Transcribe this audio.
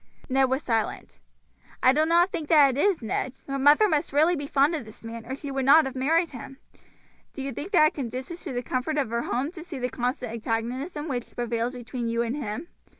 Ned was silent. "I do not think that it is, Ned. Your mother must be really fond of this man or she would not have married him. Do you think that it conduces to the comfort of her home to see the constant antagonism which prevails between you and him?